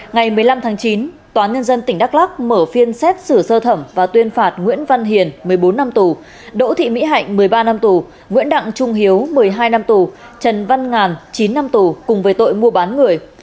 ngày một mươi năm tháng chín tòa nhân dân tỉnh đắk lắc mở phiên xét xử sơ thẩm và tuyên phạt nguyễn văn hiền một mươi bốn năm tù đỗ thị mỹ hạnh một mươi ba năm tù nguyễn đặng trung hiếu một mươi hai năm tù trần văn ngàn chín năm tù cùng về tội mua bán người